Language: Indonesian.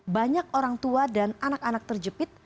banyak orang tua dan anak anak terjepit